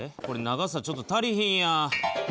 これ長さちょっと足りひんや！